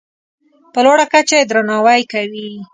په لوړه کچه یې درناوی کوي.